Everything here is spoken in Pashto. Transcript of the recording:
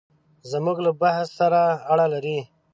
زموږ له بحث سره اړه لري.